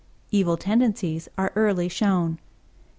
Evil tendencies are early shown.